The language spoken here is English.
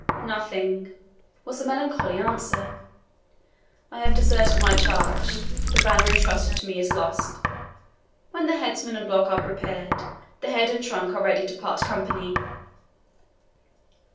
"Nothing," was the melancholy answer. "I have deserted my charge the banner entrusted to me is lost. When the headsman and block are prepared, the head and trunk are ready to part company."